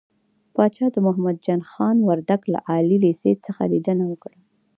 پاچا د محمد جان خان وردک له عالي لېسې څخه ليدنه وکړه .